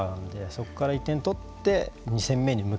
そこから１点取って２戦目に向けて。